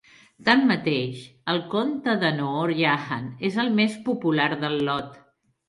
Tanmateix, el conte de Noor Jahan és el més popular del lot.